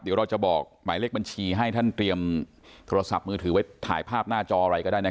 เดี๋ยวเราจะบอกหมายเลขบัญชีให้ท่านเตรียมโทรศัพท์มือถือไว้ถ่ายภาพหน้าจออะไรก็ได้